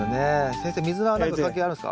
先生ミズナは何か関係あるんですか？